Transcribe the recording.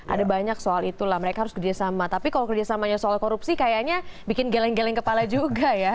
ada banyak soal itulah mereka harus kerjasama tapi kalau kerjasamanya soal korupsi kayaknya bikin geleng geleng kepala juga ya